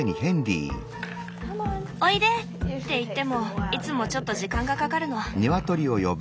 おいで！って言ってもいつもちょっと時間がかかるの。